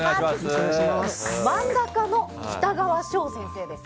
漫画家のきたがわ翔先生です。